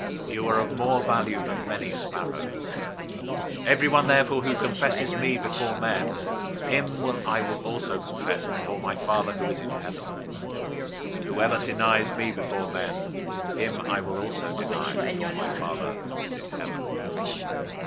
You are of more value than many sparrows. 010:032 Everyone therefore who confesses me before men, him I will also confess before my Father who is in heaven. 010:033 But whoever denies me before men, him I will also deny before my Father who is in heaven.